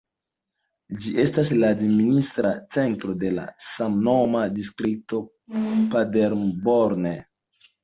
Ĝi estas la administra centro de samnoma distrikto Paderborn.